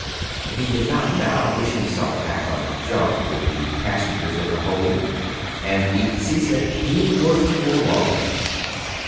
If he drd not now wish himself back on the junk, with the pas sengers in the hold, and even seasick, he would before long.